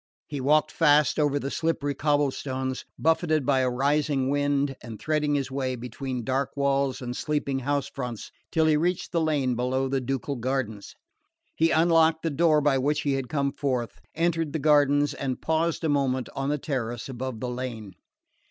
He walked fast over the slippery cobble stones, buffeted by a rising wind and threading his way between dark walls and sleeping house fronts till he reached the lane below the ducal gardens. He unlocked the door by which he had come forth, entered the gardens, and paused a moment on the terrace above the lane.